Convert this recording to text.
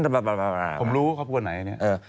ผมรู้เขาพูดไหนเนี่ย